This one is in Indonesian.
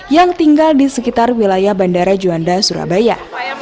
yang tinggal di sekitar wilayah bandara juanda surabaya